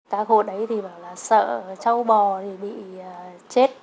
các hộ đấy thì bảo là sợ châu bò thì bị chết